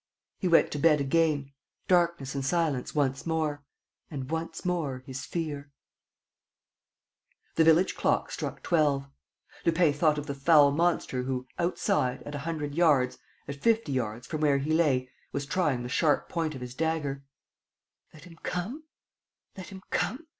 He went to bed again. Darkness and silence, once more. And, once more, his fear. ...The village clock struck twelve. ... Lupin thought of the foul monster who, outside, at a hundred yards, at fifty yards from where he lay, was trying the sharp point of his dagger: "Let him come, let him come?"